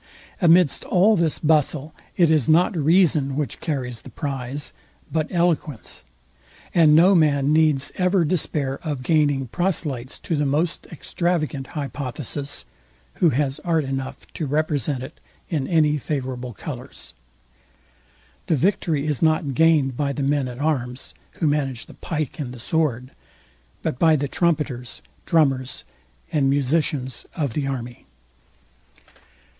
Amidst all this bustle it is not reason, which carries the prize, but eloquence; and no man needs ever despair of gaining proselytes to the most extravagant hypothesis, who has art enough to represent it in any favourable colours. The victory is not gained by the men at arms, who manage the pike and the sword; but by the trumpeters, drummers, and musicians of the army.